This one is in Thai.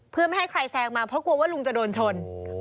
เพื่อไม่ให้ใครแซงมาเพราะกลัวว่าลุงจะโดนชน